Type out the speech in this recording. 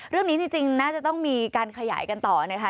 เรื่องนี้จริงน่าจะต้องมีการขยายกันต่อนะคะ